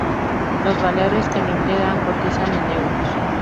Los valores que lo integran cotizan en euros.